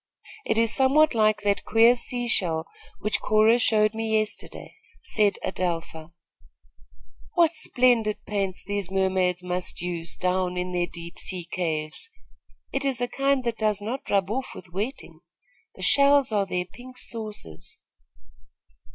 "It is somewhat like that queer sea shell which Cora showed me yesterday," said Adelpha. "What splendid paints these mermaids must use, down in their deep sea caves! It is a kind that does not rub off with wetting. The shells are their pink saucers."